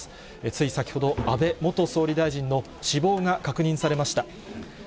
つい先ほど、安倍元総理大臣の死亡が確認されました。